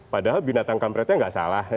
padahal binatang kampretnya tidak salah